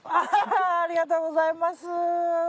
ありがとうございます。